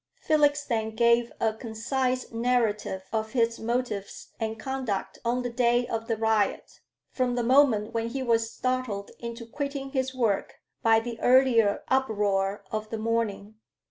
Felix then gave a concise narrative of his motives and conduct on the day of the riot, from the moment when he was startled into quitting his work by the earlier uproar of the morning.